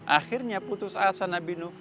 akhirnya putus asa nabi nu